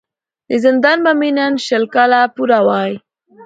د زندان به مي نن شل کاله پوره وای